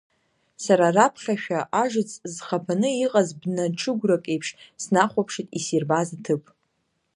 Сара раԥхьа-шәа ажыц зхаԥаны иҟаз бна ҽыгәрак еиԥш снахәаԥшит исирбаз аҭыԥ.